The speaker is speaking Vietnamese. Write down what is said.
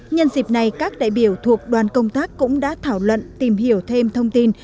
nhân dịp này các đại biểu thuộc đoàn công tác cũng đã thảo luận tìm hiểu thêm thông tin